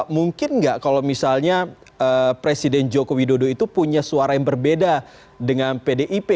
mungkin nggak kalau misalnya presiden joko widodo itu punya suara yang berbeda dengan pdip